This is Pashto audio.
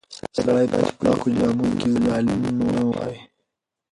سړی باید په پاکو جامو کې ظالم نه وای.